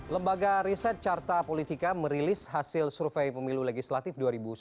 lembaga riset carta politika merilis hasil survei pemilu legislatif dua ribu sembilan belas